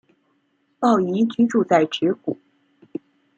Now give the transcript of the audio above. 抱嶷居住在直谷。